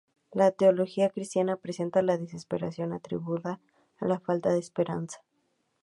La teología cristiana presenta la desesperación atribuida a la falta de esperanza.